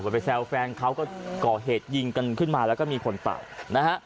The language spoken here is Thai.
ไปแซวแฟนเขาก็ก่อเหตุยิงกันขึ้นมาแล้วก็มีคนเป่านะฮะ